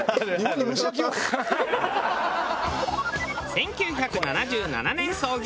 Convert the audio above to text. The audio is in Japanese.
１９７７年創業